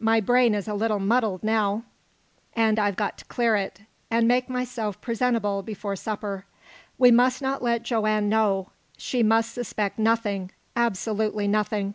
My brain is a little muddled now, and I've got to clear it, and make myself presentable before supper. We must not let Joanne know. She must suspect nothing absolutely nothing."